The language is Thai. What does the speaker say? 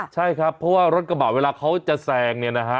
ใช่ครับเพราะว่ารถกระบะเวลาเขาจะแซงเนี่ยนะฮะ